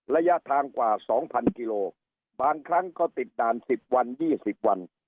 ระยะทางกว่าสองพันกิโลบางครั้งก็ติดด่านสิบวันยี่สิบวัน